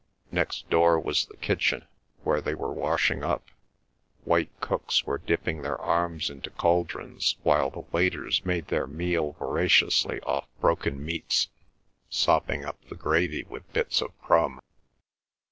Next door was the kitchen, where they were washing up; white cooks were dipping their arms into cauldrons, while the waiters made their meal voraciously off broken meats, sopping up the gravy with bits of crumb.